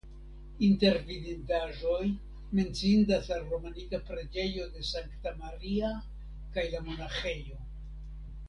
Inter vidindaĵoj menciindas la romanika preĝejo de Sankta Maria kaj la monaĥejo.